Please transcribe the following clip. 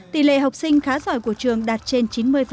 tỷ lệ học sinh khá giỏi của trường đạt trên chín mươi